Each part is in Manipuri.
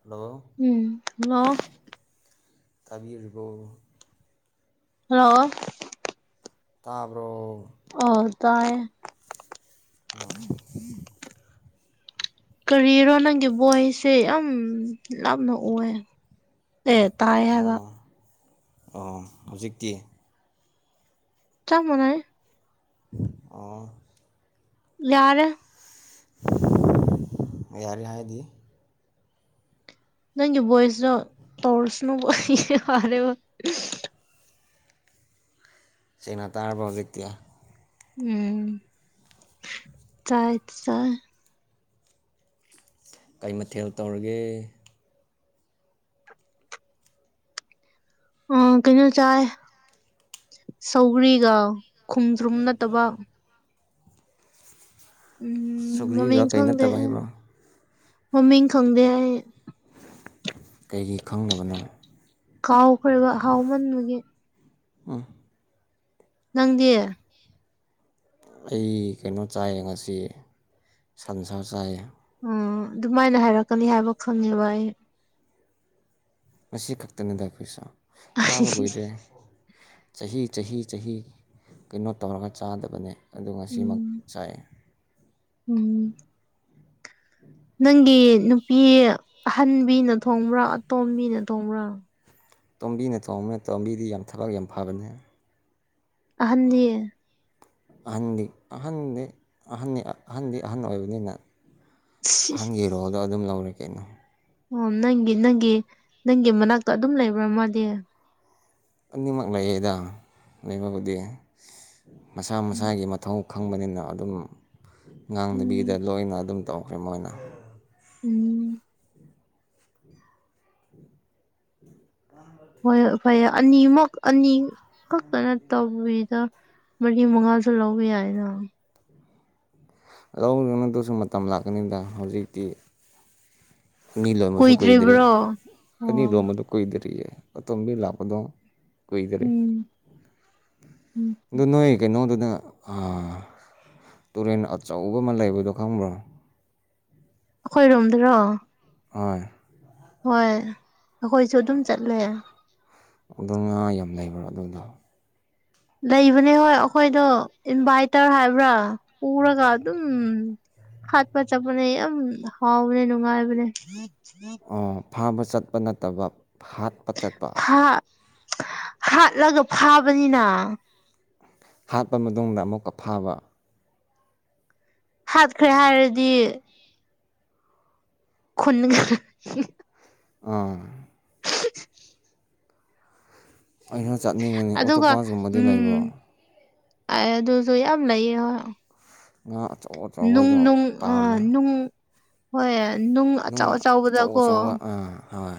ꯍꯜꯂꯣ ꯎꯝ ꯍꯜꯂꯣ ꯇꯥꯕꯤꯔꯤꯕꯔꫭ ꯍꯜꯂꯣ ꯇꯥꯕ꯭ꯔꯣ ꯑꯥꯎ ꯇꯥꯏꯌꯦ [unintelligible] ꯀꯔꯤꯔꯣ ꯅꯪꯒꯤ ꯚꯣꯏꯁꯁꯦ ꯌꯥꯝ ꯂꯥꯞꯅ ꯎ ꯑꯦꯠ ꯇꯥꯏ ꯍꯥꯏꯕ ꯑꯣ ꯍꯧꯖꯤꯛꯇꯤ ꯆꯥꯞ ꯃꯥꯅꯩ ꯑꯥ ꯌꯥ ꯔꯦ ꯌꯥꯔꯦ ꯍꯥꯏꯗꯤ ꯅꯪꯒꯤ ꯚꫭꯏꯁꯗꫭ ꯇꯧꯁꯅꯨꯕ ꯌꯔꯦꯕ ꯁꯦꯟꯅ ꯇꯥꯔꯕꯔꫭ ꯍꯥꯎꯖꯤꯛꯇꯤ ꯎꯝ ꯆꯠ ꯆꯠ ꯀꯩ ꯃꯊꯦꯜ ꯇꯧꯔꯒꯦ ꯑ ꯀꯩꯅꯣ ꯆꯥꯏ ꯁꯧꯒ꯭ꯔꯤꯒ ꯈꯨꯝꯗ꯭ꯔꯨꯝ ꯅꯠꯇꯕ ꯎꯝ ꯁꯧꯒ꯭ꯔꯤꯒ ꯃꯃꯤꯡ ꯀꯩ ꯈꯪꯗꯦ ꯅꯠꯇꯕ ꯍꯥꯏꯕ꯭ꯔꯣ ꯃꯃꯤꯡ ꯈꯪꯗꯦ ꯍꯥꯏ ꯀꯩꯒꯤ ꯈꯪꯗꯕꯅꯣ ꯀꯥꯎꯈ꯭ꯔꯕ ꯍꯥꯎꯃꯟꯕꯒꯤ [unintelligible] ꯅꯪꯗꯤ ꯑꯩ ꯀꯩꯅꯣ ꯆꯥꯏ ꯉꯁꯤ ꯁꯟꯁꯥ ꯆꯥꯏ ꯑꯣ ꯑꯗꯨꯃꯥꯏꯅ ꯍꯥꯏꯔꯛꯀꯅꯤ ꯍꯥꯏꯕ ꯈꯪꯉꯦꯕ ꯑꯩ ꯉꯁꯤ ꯈꯛꯇꯅꯤꯗ ꯑꯩꯈꯣꯏꯁꯨ ꯆꯥꯕ ꯀꯨꯏꯗꯔꯤ ꯆꯍꯤ ꯆꯍꯤ ꯆꯍꯤ ꯀꯩꯅꯣ ꯇꯧꯔꯒ ꯆꯥꯗꯕꯅꯦ ꯑꯗꯨ ꯉꯁꯤꯃꯛ ꯎꯝ ꯆꯥꯏꯑꯦ ꯎꯝ ꯅꯪꯒꯤ ꯅꯨꯄꯤ ꯑꯍꯟꯕꯤꯅ ꯊꯣꯡꯕ꯭ꯔꯥ ꯑꯇꯣꯝꯕꯤꯅ ꯊꯣꯡꯕ꯭ꯔꯥ ꯇꯣꯝꯕꯤꯅ ꯊꯣꯡꯕꯅ ꯇꯣꯝꯕꯤꯗꯤ ꯌꯥꯝ ꯊꯕꯛ ꯌꯥꯝ ꯐꯕꯅꯤ ꯑꯍꯥꯟꯗꯤ ꯑꯍꯟꯗꯤ ꯑꯍ ꯑꯍ ꯑꯍꯟꯗꯤ ꯑꯍꯟ ꯑꯣꯏꯕꯅꯤꯅ ꯑꯍꯥꯟꯒꯤ ꯔꯣꯜꯗꯣ ꯑꯗꯨꯝ ꯂꯧꯔꯦ ꯀꯩꯅꯣ ꯑꯣ ꯅꯪꯒꯤ ꯅꯪꯒꯤ ꯅꯪꯒꯤ ꯃꯅꯥꯛꯇ ꯑꯗꯨꯝ ꯂꯩꯕ꯭ꯔꯥ ꯃꯥꯗꯤ ꯑꯅꯤꯃꯛ ꯂꯩꯌꯦꯗ ꯂꯩꯕꯕꯨꯗꯤ ꯃꯁꯥ ꯃꯁꯥꯒꯤ ꯃꯊꯧ ꯈꯪꯕꯅꯤꯅ ꯑꯗꯨꯝ ꯉꯥꯡꯗꯕꯤꯗ ꯎꯝ ꯂꯣꯏꯅ ꯑꯗꯨꯝ ꯇꯧꯈ꯭ꯔꯦ ꯃꯣꯏꯅ ꯎꯝ [unintelligible] ꯍꯣꯏ ꯐꯩꯌꯦ ꯑꯅꯤꯃꯛ ꯑꯅꯤ ꯈꯛꯇꯅ ꯇꯧꯔꯤꯗ ꯃꯔꯤ ꯃꯉꯥꯁꯨ ꯂꯧꯕ ꯌꯥꯏꯗ ꯂꯧꯗꯨꯅꯗꯨꯁꯨ ꯃꯇꯝ ꯂꯥꯛꯀꯅꯤꯗ ꯍꯧꯖꯤꯛꯇꯤ ꯑꯅꯤ ꯂꯣꯟꯝꯕꯁꯨ ꯀꯨꯏꯗ꯭ꯔꯤ ꯀꯨꯏꯗ꯭ꯔꯤꯕ꯭ꯔꯣ ꯑꯣ ꯑꯅꯤ ꯂꯣꯟꯕꯗꯣ ꯀꯨꯏꯗ꯭ꯔꯤꯌꯦ ꯑꯇꯣꯝꯕꯤ ꯂꯥꯛꯄꯗꯣ ꯀꯣꯏꯗꯔꯤ ꯎꯝ ꯎꯝ ꯑꯗꫭ ꯅꫭꯏ ꯀꯩꯅꯣ ꯗꯨꯅ ꯇꯨꯔꯦꯟ ꯑꯆꯧꯕ ꯑꯃ ꯂꯩꯕꯗꯣ ꯈꯪꯕ꯭ꯔꯣ ꯑꯩꯈꯣꯏꯔꯣꯝꯗꯔꯣ ꯍ ꯍꯣꯏ ꯑꯩꯈꯣꯏꯁꯨ ꯑꯗꯨꯝ ꯆꯠꯂꯦ ꯑꯗ ꯉꯥ ꯌꯥꯝ ꯂꯩꯕ꯭ꯔꯥ ꯑꯗꯨꯗ ꯂꯩꯕꯅꯦ ꯍꯣꯏ ꯑꯩꯈꯣꯏꯗꯣ ꯏꯟꯚꯥꯏꯇꯔ ꯍꯥꯏꯕ꯭ꯔꯥ ꯄꯨꯔꯒꯥ ꯑꯗꯨ ꯍꯥꯠ ꯄ ꯆꯄꯅꯦ ꯌꯥꯝꯦꯝ ꯍꯥꯎ ꯃꯅꯦ ꯅꯅꯨꯡꯉꯥꯏ ꯃꯅꯦ ꯐꯥꯕ ꯆꯠꯄ ꯅꯠꯇꯕ ꯍꯥꯠꯄ ꯆꯠꯄ ꯍꯥ ꯍꯥꯠꯂꯒ ꯐꯥꯕꯅꯤꯅ ꯍꯥꯠꯄ ꯃꯇꯨꯡꯗ ꯑꯃꯨꯛꯀ ꯐꯥꯕ ꯍꯥꯠꯈ꯭ꯔꯦ ꯍꯥꯏꯔꯗꯤ ꯈꯟ ꯑꯥ [inaudible] ꯑꯩꯅ ꯆꯠꯅꯤꯡꯉꯤꯅꯤ ꯑꯣꯇꯣ ꯑꯗꯨꯒ ꯄꯥꯁꯀꯨꯝꯕꯗꯤ ꯂꯩꯕ꯭ꯔꯣ ꯑꯢ ꯑꯗꯨꯖꯨ ꯌꯥꯝ ꯂꯩꯌꯦ ꯍꯣ ꯉꯥ ꯑꯆꯧ ꯅꯨꯡ ꯑꯆꯧꯕꯗꯣ ꯅꯨꯡ ꯑ ꯄꯥꯝꯃꯦ ꯅꯨꯡ ꯍꯣꯏ ꯅꯨꯡ ꯑꯆꯥꯎ ꯑꯆꯥꯎꯕꯗꯀꯣ ꯎꯝ ꯍꯣꯏ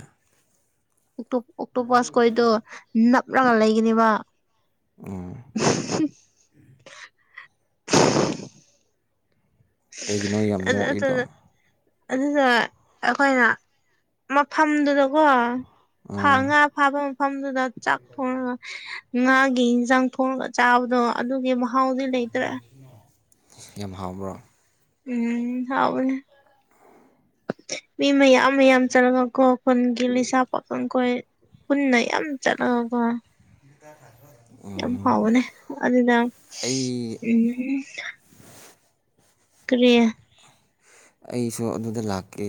ꯑꯣꯛꯇꯣꯄꯁꯀꯣꯏꯗꯣ ꯅꯞꯂꯒ ꯂꯩꯒꯅꯦꯕ ꯎꯝ [unintelligible] ꯀꯩꯒꯤꯅꯣ ꯌꯥꯝ ꯑ ꯅꯣꯛꯏꯗꯣ ꯑꯗꯨ ꯑꯗꯨꯗ ꯑꯩꯈꯣꯏꯅ ꯃꯐꯝꯗꯨꯗꯀꯣ ꯐ ꯑꯥ ꯉꯥ ꯐꯥꯕ ꯃꯐꯝꯗꯨꯗ ꯆꯥꯛ ꯊꯣꯡꯉꯒ ꯉꯥꯒꯤ ꯌꯦꯟꯁꯥꯡ ꯊꯣꯡꯉꯒ ꯆꯥꯕꯗꯣ ꯑꯗꯨꯒꯤ ꯃꯍꯥꯎꯗꯤ ꯂꯩꯇ꯭ꯔꯦ ꯌꯥꯝ ꯍꯥꯎꯕ꯭ꯔꯥ ꯎꯝ ꯍꯥꯎꯕꯅꯦ ꯃꯤ ꯃꯌꯥꯝ ꯃꯌꯥꯝ ꯆꯂꯒꯀꯣ ꯈꯨꯟꯒꯤ ꯂꯩꯁꯥ ꯄꯥꯈꯈꯣꯏ ꯄꯨꯟꯅ ꯌꯥꯝ ꯆꯠꯂꯀꯣ ꯇ ꯈꯖꯕ ꯌꯥꯝ ꯍꯥꯎꯕꯅꯦ ꯑꯗꯨꯅ ꯑꯩ ꯎꯝ ꯇ꯭ꯔꯦ ꯑꯩꯁꯨ ꯑꯗꯨꯗ ꯂꯥꯛꯀꯦ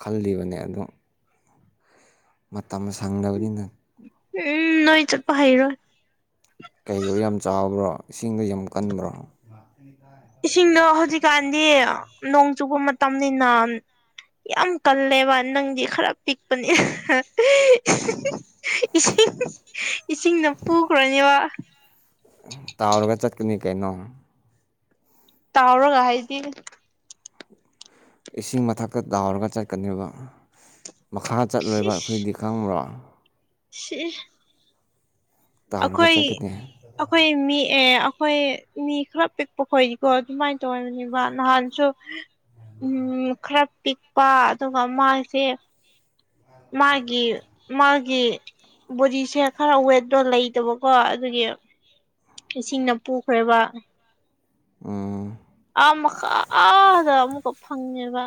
ꯈꯜꯂꯤꯕꯅꯦ ꯑꯗꯣ ꯃꯇꯝ ꯁꯪꯗꯕꯅꯤꯅ ꯎꯝ ꯅꯣꯏ ꯆꯠꯄ ꯍꯥꯏꯔꯣ ꯀꯩꯒꯔꯣ ꯌꯥꯝ ꯆꯥꯎꯕ꯭ꯔꯣ ꯏꯁꯤꯡꯗ ꯌꯥꯝ ꯀꯟꯕ꯭ꯔꯣ ꯏꯁꯤꯡꯗꯣ ꯍꯧꯖꯤꯛꯀꯥꯟꯗꯤ ꯅꯣꯡ ꯆꯨꯕ ꯃꯇꯝꯅꯤꯅ ꯌꯥꯝ ꯀꯜꯂꯦꯕ ꯅꯪꯗꯤ ꯈꯔ ꯄꯤꯛꯄꯅꯦ ꯏꯁꯤꯡ ꯏꯁꯤꯡꯅ ꯄꯨꯈ꯭ꯔꯅꯦꯕ ꯇꯥꯥꯎꯔꯒ ꯆꯠꯀꯅꯤ ꯀꯩꯅꯣ ꯇꯥꯎꯔꯣꯒ ꯍꯥꯏꯗꯤ ꯏꯁꯤꯡ ꯃꯊꯛꯇ ꯇꯥꯎꯔꯒ ꯆꯠꯀꯅꯦꯕ ꯃꯈꯥ ꯆꯠꯂꯣꯏꯕ ꯁꯤꯁ ꯑꯩꯈꯣꯏꯗꯤ ꯈꯪꯕ꯭ꯔꯥ ꯁꯤ ꯇꯥꯎꯔꯒ ꯑꯩꯈꯣꯏ ꯆꯠꯀꯅꯤ ꯑꯩꯈꯣꯏ ꯃꯤꯑ ꯑꯩꯈꯣꯏ ꯃꯤ ꯈꯔ ꯄꯤꯛꯄ ꯈꯣꯠꯏꯀꯣ ꯑꯗꯨꯃꯥꯏꯅ ꯇꯧꯔꯤꯕꯅꯦꯕ ꯅꯍꯥꯟꯁꯨ ꯎꯝ ꯈꯔ ꯄꯤꯛꯄ ꯑꯗꯨꯒ ꯃꯥꯁꯦ ꯃꯥꯒꯤ ꯃꯥꯒꯤ ꯕꯣꯗꯤꯁꯦ ꯈꯔ ꯋꯦꯠꯇꯠꯇꯣ ꯂꯩꯇꯕꯀꯣ ꯑꯗꯨꯒꯤ ꯏꯁꯤꯡꯅ ꯄꯨꯈ꯭ꯔꯕ ꯑꯥ ꯈꯥꯗ ꯑꯃꯨꯛꯀ ꯐꯪꯉꯦꯕ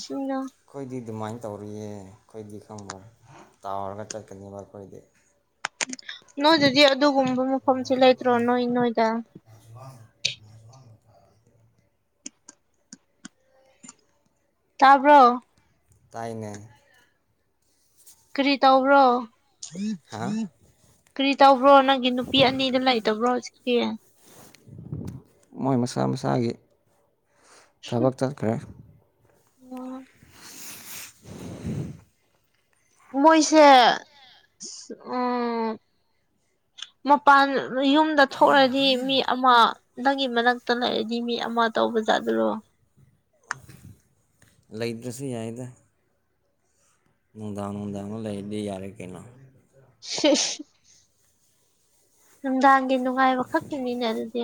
ꯁꯤꯨꯝꯅꯣ [unintelligible] ꯑꯩꯈꯣꯏꯗꯤ ꯑꯗꯨꯃꯥꯏꯅ ꯇꯧꯔꯤꯌꯦ ꯑꯩꯈꯣꯏꯗꯤ ꯈꯪꯕ꯭ꯔꯥ ꯇꯥꯎꯔꯒ ꯆꯠꯀꯅꯦꯕ ꯑꯩꯈꯣꯏꯗꯤ ꯅꯣꯏꯗꯗꯤ ꯑꯗꯨꯒꯨꯝꯕ ꯃꯐꯝꯁꯤꯦ ꯂꯩꯇ꯭ꯔꯣ ꯅꯣꯏ ꯅꯣꯏꯗ ꯑꯥꯖꯕꯥ ꯇꯥꯕ꯭ꯔꯣ ꯇꯥꯏꯅꯦ ꯀꯔꯤ ꯇꯧꯕ꯭ꯔꯣ ꯍꯥ ꯀꯔꯤ ꯇꯧꯕ꯭ꯔꯣ ꯅꯪꯒꯤ ꯅꯨꯄꯤ ꯑꯅꯤꯗꯣ ꯂꯩꯇꯕ꯭ꯔꯣ ꯍꯧꯖꯤꯛꯀꯤ ꯃꯣꯏ ꯃꯁꯥ ꯃꯁꯥꯒꯤ ꯊꯕꯛ ꯆꯠꯈ꯭ꯔꯦ ꯎꯝ [unintelligible] ꯃꯣꯏꯁꯦ ꯎꯝ ꯃꯄꯥꯟ ꯌꯨꯝꯗ ꯊꯣꯛꯂꯗꯤ ꯃꯤ ꯑꯃ ꯅꯪꯒꯤ ꯃꯅꯥꯛꯇ ꯂꯩꯔꯗꯤ ꯃꯤ ꯑꯃ ꯇꯧꯕꯖꯥꯠ ꯑꯗꯨꯔꯣ ꯂꯩꯗ꯭ꯔꯁꯨ ꯌꯥꯏꯗ ꯅꯨꯡꯗꯥꯡ ꯅꯨꯡꯗꯥꯅ ꯂꯩꯗꯤ ꯌꯥꯔꯦ ꯀꯩꯅꯩꯅ ꯁꯤꯖ ꯅꯨꯡꯗꯥꯡꯒꯤ ꯅꯨꯡꯉꯥꯏꯕ ꯈꯛꯀꯤꯅꯤꯅ ꯑꯗꯨꯗꯤ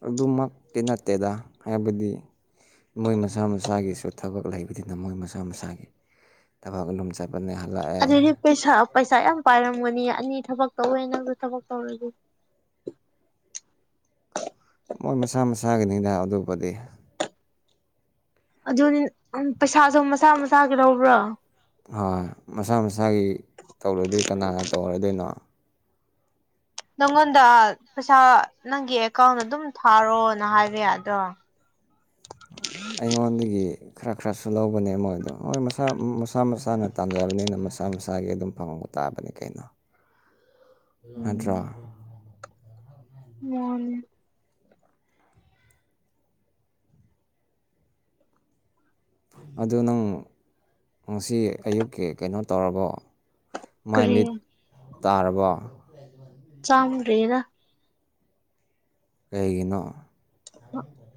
ꯑꯗꯨꯃꯛꯇꯤ ꯅꯠꯇꯦꯗ ꯍꯥꯏꯕꯗꯤ ꯃꯣꯏ ꯃꯁꯥ ꯃꯁꯥꯒꯤꯁꯨ ꯊꯕꯛ ꯂꯩꯕꯗꯤꯅ ꯃꯣꯏ ꯃꯁꯥ ꯃꯁꯥꯒꯤ ꯊꯕꯒ ꯂꯨꯨꯝ ꯆꯠꯄꯅꯦ ꯍꯂꯛꯑꯦ ꯑꯗꯨꯗꯤ ꯄꯩꯁꯥ ꯄꯩꯁꯥ ꯌꯥꯝ ꯄꯥꯏꯔꯝꯒꯅꯤ ꯑꯅꯤ ꯊꯕꯛ ꯇꯧꯋꯦ ꯅꯪꯗꯣ ꯊꯕꯛ ꯇꯧꯔꯒ ꯃꯣꯏ ꯃꯁꯥ ꯃꯁꯥꯒꯤꯅꯤꯅ ꯑꯗꯨꯕꯨꯗꯤ ꯑꯗꯨꯅꯤ ꯄꯩꯁꯥꯁꯨ ꯃꯁꯥ ꯃꯁꯥꯒꯤ ꯂꯧꯕ꯭ꯔꯥ ꯍꯣꯏ ꯃꯁꯥ ꯃꯁꯥꯒꯤ ꯇꯧꯔꯗꯤ ꯀꯅꯥꯅ ꯇꯧꯔꯗꯣꯏꯅꯣ ꯅꯪꯉꯣꯟꯗ ꯄꯩꯁꯥ ꯅꯪꯒꯤ ꯑꯦꯀꯥꯎꯟ ꯑꯗꯨꯝ ꯊꯥꯔꯣꯅ ꯍꯥꯏꯕ ꯌꯥꯗ꯭ꯔꯣ ꯑꯩꯉꯣꯟꯗꯒꯤ ꯈꯔ ꯈꯔꯁꯨ ꯂꯧꯕꯅꯦ ꯃꯣꯏꯗꯣ ꯍꯣꯏ ꯃꯁꯥ ꯃꯁꯥ ꯃꯁꯥꯅ ꯇꯥꯟꯖꯕꯅꯤꯅ ꯃꯁꯥ ꯃꯁꯥꯒꯤ ꯑꯗꯨꯝ ꯐꯪꯕ ꯇꯥꯕꯅꯦ ꯀꯩꯅꯣ ꯅꯠꯇ꯭ꯔꯣ ꯎꯝ ꯃꯥꯅꯦ ꯑꯗꯨ ꯅꯪ ꯉꯁꯤ ꯑꯌꯨꯛꯀꯤ ꯀꯩꯅꯣ ꯇꯧꯔꯕꯣ ꯀꯔꯤ ꯃꯥꯏꯃꯤꯠ ꯇꯥꯔꯕꯣ ꯆꯥꯝꯗ꯭ꯔꯤꯗ ꯀꯩꯒꯤꯅꯣ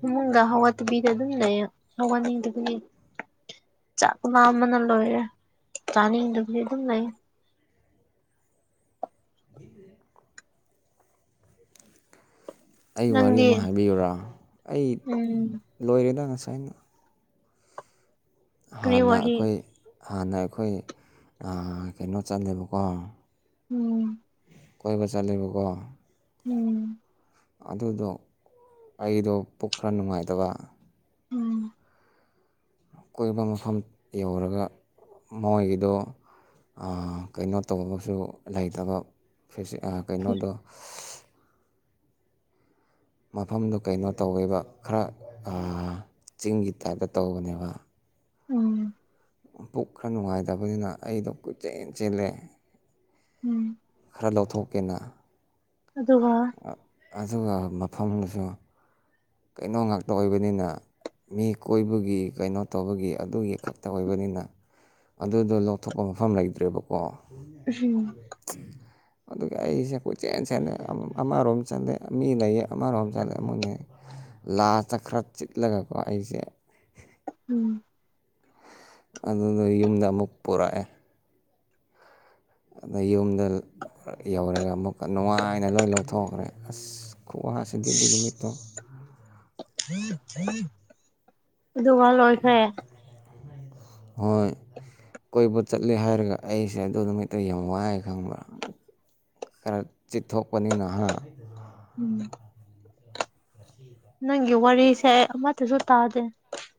ꯏꯃꯨꯡꯗ ꯍꯧꯒꯠꯇꯕꯤꯗ ꯑꯗꯨꯝ ꯂꯩ ꯍꯧꯒꯠꯅꯤꯡꯗꯕꯒꯤ ꯆꯥꯛ ꯂꯥꯝꯕꯅ ꯂꯣꯏꯔꯦ ꯆꯥꯅꯤꯡꯗꯕꯒꯤ ꯑꯗꯨꯝ ꯂꯩ ꯍꯦ ꯑꯩ ꯋꯥꯔꯤ ꯅꯪꯗꯤ ꯑꯃ ꯍꯥꯏꯕꯤꯌꯨꯔꯥ ꯑꯩ ꯎꯝ ꯂꯣꯏꯔꯦꯗ ꯉꯁꯥꯏꯅ ꯀꯔꯤ ꯍꯥꯟꯅ ꯋꯥꯔꯤ ꯑꯩꯈꯣꯏ ꯍꯥꯟꯅ ꯑꯩꯈꯣꯏ ꯀꯩꯅꯣ ꯆꯠꯂꯦꯕꯀꯣ ꯎꯝ ꯀꯣꯏꯕ ꯆꯠꯂꯦꯕꯀꯣ ꯎꯝ ꯑꯗꯨꯗꯣ ꯑꯩꯗꯣ ꯄꯨꯛ ꯈꯔ ꯅꯨꯡꯉꯥꯏꯇꯕ ꯎꯝ ꯀꯣꯏꯕ ꯃꯐꯝ ꯌꯦꯡꯉꯨꯔꯒ ꯃꯣꯏꯒꯤꯗꯣ ꯀꯩꯅꯣ ꯇꯕꯁꯨ ꯂꯩꯇꯕ ꯀꯩꯅꯣꯗꯣ ꯃꯐꯝꯗꯨ ꯀꯩꯅꯣ ꯇꯧꯋꯦꯕ ꯈꯔ ꯆꯤꯡꯒꯤ ꯇꯥꯏꯞꯇ ꯇꯧꯕꯅꯦꯕ ꯎꯝ ꯄꯨꯛ ꯈꯔ ꯅꯨꯡꯉꯥꯏꯇꯕꯅꯤꯅ ꯑꯩꯗꯣ ꯀꯨꯠ ꯆꯦꯟ ꯆꯦꯜꯂꯦ ꯎꯝ ꯈꯔ ꯂꯧꯊꯣꯛꯀꯦꯅ ꯑꯗꯨꯒ ꯑꯗꯨꯒ ꯃꯐꯝꯗꯁꯨ ꯀꯩꯅꯣ ꯉꯥꯛꯇ ꯑꯣꯏꯕꯅꯤꯅ ꯃꯤ ꯀꯣꯏꯕꯒꯤ ꯀꯩꯅꯣ ꯇꯧꯕꯒꯤ ꯑꯗꯨꯒꯤ ꯈꯛꯇ ꯑꯣꯏꯕꯅꯤꯅ ꯑꯗꯨꯗꯣ ꯂꯧꯊꯣꯛꯄ ꯃꯐꯝ ꯂꯩꯇ꯭ꯔꯦꯕꯀꯣ ꯎꯝ ꯑꯗꯨꯒ ꯑꯩꯁꯦ ꯀꯣꯏꯆꯦꯟ ꯆꯦꯂꯦ ꯑꯃꯔꯣꯝ ꯆꯠꯂꯦ ꯃꯤ ꯂꯩꯌꯦ ꯑꯃꯔꯣꯝ ꯆꯜꯂꯦ ꯑꯃꯅꯦ ꯂꯥꯗ ꯈꯔ ꯆꯤꯠꯂꯒꯀꯣ ꯑꯩꯁꯦ ꯎꯝ ꯑꯗꯨꯗꫭ ꯌꯨꯝꯗ ꯑꯃꯨꯛ ꯄꯨꯔꯛꯑꯦ ꯑꯗ ꯌꯨꯝꯗ ꯌꯧꯔꯒ ꯑꯃꯨꯛꯀ ꯅꯨꯡꯉꯥꯏꯅ ꯂꯣꯏ ꯂꯧꯊꯣꯛꯈ꯭ꯔꯦ ꯑꯁ ꯈꯨꯋꯥꯁꯤꯗꯤ ꯑꯗꯨꯏ ꯅꯨꯃꯤꯠꯇꫭ ꯑꯗꯨꯒ ꯂꯣꯏꯈ꯭ꯔꯦ ꯍꯣꯏ ꯀꯣꯏꯕ ꯆꯠꯂꯦ ꯍꯥꯏꯔꯒ ꯑꯩꯁꯦ ꯑꯗꯨꯗ ꯍꯛꯇ ꯌꯥꯝ ꯋꯥꯏ ꯈꯪꯕ꯭ꯔꯥ ꯈꯔ ꯆꯤꯊꯣꯛꯄꯅꯤꯅ ꯎꯝ ꯅꯪꯒꯤ ꯋꯥꯔꯤꯁꯦ ꯑꯩ ꯑꯃꯠꯇꯁꯨ ꯇꯥꯗꯦ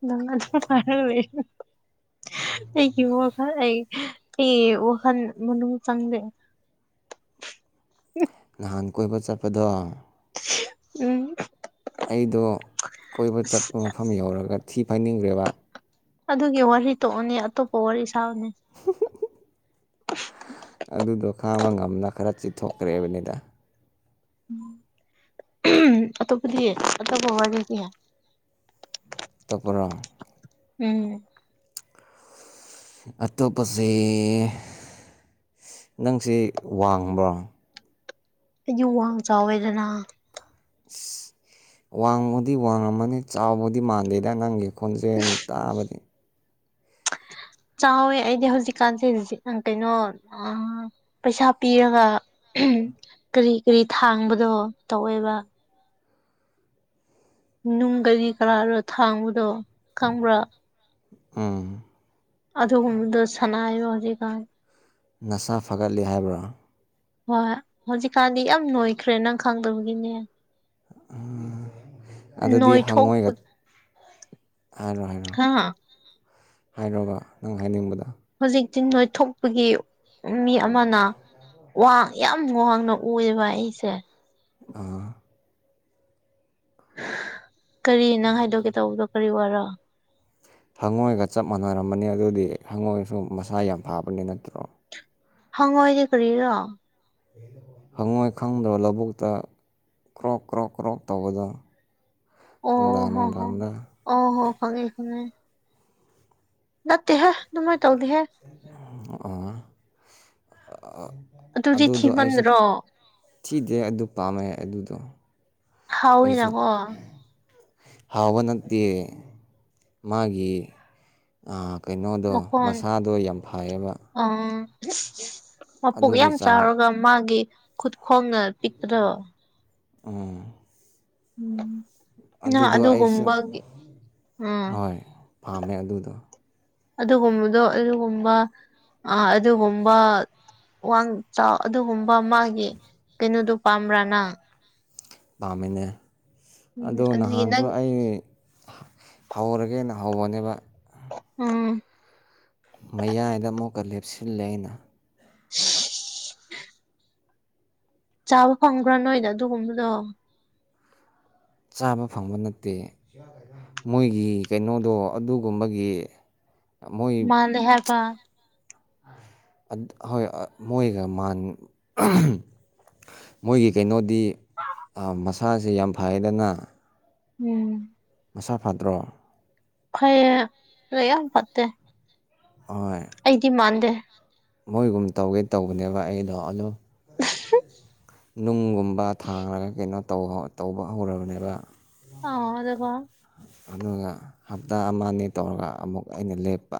ꯅꯪ ꯑꯗꯨꯝ ꯍꯥꯏꯔ ꯑꯩꯒꯤ ꯋꯥꯈꯜ ꯑꯩ ꯑꯩ ꯋꯥꯈꯜ ꯃꯅꯨꯡ ꯆꯪꯗꯦ ꯎꯝ ꯅꯍꯥꯟ ꯀꯣꯏꯕ ꯆꯠꯄꯗꯣ ꯎꯝ ꯑꯩꯗꯣ ꯀꯣꯏꯕ ꯑꯁ ꯆꯠꯄ ꯃꯐꯝ ꯌꯧꯔꯒ ꯊꯤ ꯐꯥꯏꯅꯤꯡꯈ꯭ꯔꯦꯕ ꯑꯗꯨꯒꯤ ꯋꯥꯔꯤ ꯇꯣꯛꯑꯅꯤ ꯑꯇꯣꯞꯄ ꯋꯥꯔꯤ ꯁꯥꯕꯅꯤ ꯑꯗꯨꯗꯣ ꯈꯥꯡꯕ ꯉꯝꯅ ꯈꯔ ꯆꯤꯊꯣꯛꯈ꯭ꯔꯦꯕꯅꯤꯗ ꯑꯇꯣꯞꯄꯗꯤ ꯑꯇꯣꯞꯄ ꯋꯥꯔꯤꯗꯤ ꯇꯄꯣ ꯎꯝ ꯑꯇꯣꯞꯄꯁꯦ ꯅꯪꯁꯦ ꯋꯥꯡꯕ ꯌꯨ ꯋꯥ ꯆꯥꯎꯋꯦꯗꯅ ꯑ ꯋꯥꯡꯃꯨꯗꯤ ꯋꯥꯡꯉꯝꯃꯅꯤ ꯆꯥꯎꯕꯗꯤ ꯃꯥꯟꯗꯦꯗ ꯅꯪꯒꯤ ꯈꯣꯟꯖꯦꯜ ꯇꯥꯕꯗꯤ ꯆꯥꯎꯋꯦ ꯑꯩꯗꯤ ꯍꯧꯖꯤꯛꯀꯥꯟꯁꯦ ꯀꯩꯅꯣ ꯄꯩꯁꯥ ꯄꯤꯔꯒ ꯀꯔꯤ ꯀꯔꯤ ꯊꯥꯡꯕꯗꯣ ꯇꯧꯋꯦꯕ ꯅꯨꯡ ꯀꯔꯤ ꯀꯔꯥꯗꯣ ꯊꯥꯡꯕꯗꯣ ꯈꯪꯕ꯭ꯔꯥ ꯑꯥ ꯑꯗꯨꯒꯨꯝꯕꯗꯣ ꯁꯅꯥꯏꯕ ꯍꯧꯖꯤꯛꯀꯥꯟ ꯅꯁꯥ ꯐꯒꯠꯂꯤ ꯍꯥꯏꯕ꯭ꯔꯥ ꯍꯣꯏ ꯍꯧꯖꯤꯛꯀꯥꯟꯗꯤ ꯌꯥꯝ ꯅꯣꯏꯈ꯭ꯔꯦ ꯅꯪ ꯈꯪꯗꯕꯒꯤꯅꯦ ꯎ ꯑꯗꯨꯗꯤ ꯍꯪꯉꯣꯏꯒ ꯅꯣꯏꯊꯣꯛꯄ ꯍꯥꯏꯔꯣ ꯍꯥꯏꯔꯣ ꯍꯥ ꯍꯥꯏꯔꫭꯕ ꯅꯪ ꯍꯥꯏꯅꯤꯡꯕꯗꫭ ꯍꯧꯖꯤꯛꯇꯤ ꯅꯣꯏꯊꯣꯛꯄꯒꯤ ꯃꯤ ꯑꯃꯅ ꯋꯥꯡ ꯌꯥꯝ ꯋꯥꯡꯅ ꯎꯑꯕ ꯑꯩꯁꯦ ꯑꯥ ꯀꯔꯤ ꯅꯪ ꯍꯥꯏꯗꯣꯛꯀꯦ ꯇꯧꯕꯗꯣ ꯀꯔꯤ ꯋꯥꯔꯣ ꯍꯪꯉꯣꯏꯒ ꯆꯞ ꯃꯥꯟꯅꯔꯝꯕꯅꯤ ꯑꯗꯨꯗꯤ ꯍꯪꯉꯣꯏꯒꯁꯨ ꯃꯁꯥ ꯌꯥꯝ ꯐꯥꯕꯅꯤ ꯅꯠꯇ꯭ꯔꯣ ꯍꯪꯉ ꯑꯣꯏꯗꯤ ꯀꯔꯤꯔꫭ ꯍꯪꯉꯣꯏ ꯈꯪꯗꯕ ꯂꯧꯕꯨꯛꯇ ꯀ꯭ꯔꯣꯛ ꯀ꯭ꯔꯣꯛ ꯀ꯭ꯔꯣꯛ ꯇꯧꯕꯗꫭ ꯑꯣ ꯍꯣ ꯍꯣ ꯑꯣ ꯍꯣ ꯈꯪꯉꯦ ꯈꯪꯉꯦ ꯅꯠꯇꯦ ꯍꯦ ꯑꯗꯨꯃꯥꯏ ꯇꯧꯜꯗꯤꯍꯦ ꯑꯥ ꯑꯗꯨꯗꯤ ꯑꯗꯨꯗꯣ ꯑꯩꯁꯨ ꯊꯤꯃꯟꯗ꯭ꯔꯣ ꯊꯤꯗꯦ ꯑꯗꯨ ꯄꯥꯝꯃꯦ ꯑꯗꯨꯗꯣ ꯍꯥꯎꯋꯤꯅ ꯑꯩꯁꯨ ꯀꫭ ꯍꯥꯎꯕ ꯅꯠꯇꯦ ꯃꯥꯒꯤ ꯀꯩꯅꯣꯗꯣ ꯃꯁꯥꯗꯣ ꯌꯥꯝ ꯐꯩꯌꯦꯕ ꯎꯝ ꯃꯄꯣꯛ ꯑꯗꯨꯒꯤ ꯌꯥꯝ ꯆꯥꯡ ꯆꯥꯎꯔꯒ ꯃꯥꯒꯤ ꯈꯨꯠ ꯈꯣꯡꯅ ꯄꯤꯛꯄ꯭ꯗꫭ ꯎꯝ ꯎꯝ ꯅ ꯑꯗꯨꯗꯣ ꯑꯩꯁꯨ ꯑꯗꯨꯒꯨꯝꯕꯒꯤ ꯎꯝ ꯍꯣꯏ ꯄꯥꯝꯃꯦ ꯑꯗꯨꯗꯣ ꯑꯗꯨꯒꯨꯝꯕꯗꯣ ꯑꯗꯨꯒꯨꯝꯕ ꯑꯥ ꯑꯗꯨꯒꯨꯝꯕ ꯋꯥꯡ ꯆꯥꯎ ꯑꯗꯨꯒꯨꯝꯕ ꯃꯥꯒꯤ ꯀꯩꯅꯣꯗꯨ ꯄꯥꯝꯕ꯭ꯔꯥ ꯅꯪ ꯄꯥꯝꯃꯤꯅꯦ ꯎꯝ ꯑꯗꯣ ꯑꯗꯨꯒꯤ ꯅꯍꯥꯟꯁꯨ ꯅꯪ ꯑꯩ ꯍꯧꯔꯒꯦꯅ ꯍꯧꯕꯅꯦꯕ ꯎꯝ ꯃꯌꯥꯏꯗ ꯑꯃꯨꯛꯀ ꯂꯦꯞꯁꯤꯜꯂꯦ ꯑꯩꯅ [unintelligible] ꯆꯥꯕ ꯐꯪꯕ꯭ꯔꯥ ꯅꯣꯏꯗ ꯑꯗꯨꯒꯨꯝꯕꯗꯣ ꯆꯥꯕ ꯐꯪꯕ ꯅꯠꯇꯦ ꯃꯣꯏꯒꯤ ꯀꯩꯅꯣꯗꯣ ꯑꯗꯨꯒꯨꯝꯕꯒꯤ ꯃꯣꯏ ꯃꯥꯂꯦ ꯍꯥꯏꯄꯥ ꯍꯣꯏ ꯃꯣꯏꯒ ꯃꯥꯟ ꯃꯣꯏꯒꯤ ꯀꯩꯅꯣꯗꯤ ꯑꯥ ꯃꯁꯥꯁꯦ ꯌꯥꯝ ꯐꯩꯌꯦꯗꯅ ꯎꯝ ꯃꯁꯥ ꯐꯗ꯭ꯔꯣ ꯐꯩꯌꯦ ꯂꯩ ꯌꯥꯝ ꯐꯠꯇꯦ ꯍꯣꯏ ꯑꯩꯗꯤ ꯃꯥꯟꯗꯦ ꯃꯣꯏꯒꯨꯝ ꯇꯧꯒꯦ ꯇꯧꯕꯅꯦꯕ ꯑꯩꯗꯣ ꯑꯗꯣ ꯅꯨꯡꯒꯨꯝ ꯃꯥ ꯊꯥꯡꯔꯒ ꯀꯩꯅꯣ ꯇꯧ ꯇꯧꯕ ꯍꯧꯔꯕꯅꯦꯕ ꯑꯥ ꯑꯗꫭꯀꯣ ꯑꯗꯨꯒ ꯍꯞꯇꯥ ꯑꯃ‌ ꯑꯅꯤ ꯇꯧꯔꯒ ꯑꯃꯨꯛ ꯑꯩꯅ ꯂꯦꯞꯄ